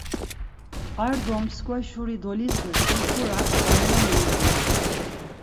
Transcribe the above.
Ar do msǩva şuri dolizdasi xurak bayrami ikumt̆u.